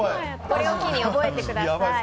これを機に覚えてください。